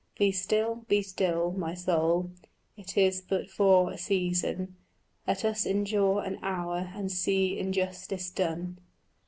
Be still, be still, my soul; it is but for a season: Let us endure an hour and see injustice done.